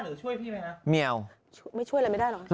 ไม่ช่วยอะไรไม่ได้หรอก